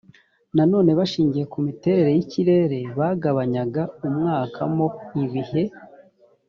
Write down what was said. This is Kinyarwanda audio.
nanone bashingiye ku miterere y ikirere bagabanyaga umwaka mo ibihe